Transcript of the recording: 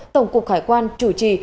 tổng cục hải quan chủ trì